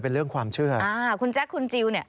เป็นเรื่องความเชื่อคุณแจ๊คคุณจิล